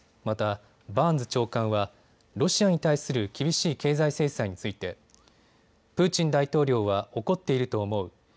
また、バーンズ長官はロシアに対する厳しい経済制裁についてプーチン大統領は怒っていると思う。